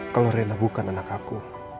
kalau rena bukan anak aku